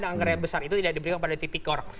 anggaran yang besar itu tidak diberikan pada tipikor